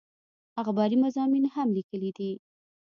اخباري مضامين هم ليکلي دي